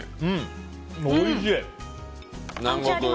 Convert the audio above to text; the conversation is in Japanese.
おいしい！